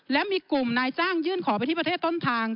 และมีกลุ่มนายจ้างยื่นขอไปที่ประเทศต้นทาง